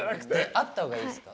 あった方がいいすか？